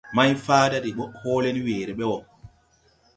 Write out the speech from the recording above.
Mayfaada de ɓɔʼ hɔɔlɛ ne weere ɓɛ wɔ.